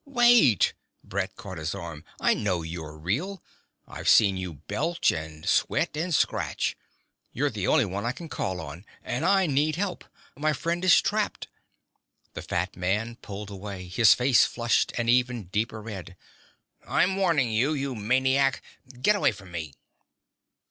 "Wait!" Brett caught his arm. "I know you're real. I've seen you belch and sweat and scratch. You're the only one I can call on and I need help. My friend is trapped " The fat man pulled away, his face flushed an even deeper red. "I'm warning you, you maniac: get away from me...!"